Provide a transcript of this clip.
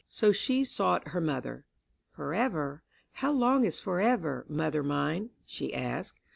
So she sought her mother. "Forever? how long is forever, mother mine?" she asked.